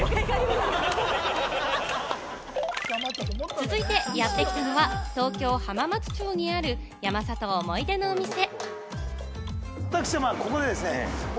続いてやってきたのは東京・浜松町にある山里、思い出の店。